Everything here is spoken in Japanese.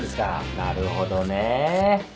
なるほどねえ。